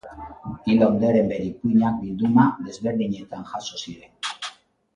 Hil ondoren bere ipuinak bilduma desberdinetan jaso ziren.